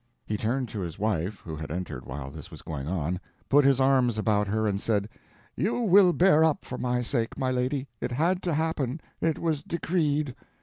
He turned to his wife, who had entered while this was going on, put his arms about her and said—"You will bear up, for my sake, my lady—it had to happen, it was decreed."